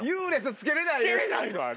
つけれないのあれ。